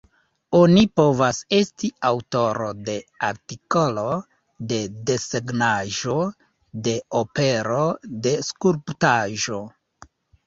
Oni povas esti aŭtoro de artikolo, de desegnaĵo, de opero, de skulptaĵo.